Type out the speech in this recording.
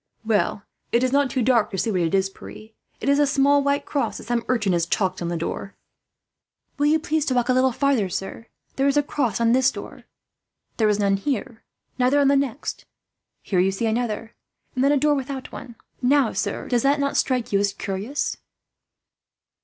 "Well, it is not too dark to see what it is, Pierre. It is a small white cross that some urchin has chalked on the door." "Will you please to walk a little farther, sir? There is a cross on this door. There is none here, neither on the next. Here you see another, and then a door without one. Now, sir, does not that strike you as curious?"